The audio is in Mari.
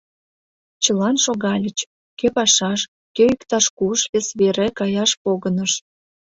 Чылан шогальыч, кӧ пашаш, кӧ иктаж-куш вес вере каяш погыныш.